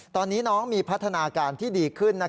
ตอนนี้น้องมีพัฒนาการที่ดีขึ้น